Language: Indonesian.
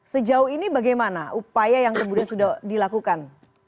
sejauh ini bagaimana upaya yang kemudian sudah dilakukan